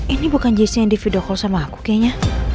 ini bukan jc yang di video call sama aku kayaknya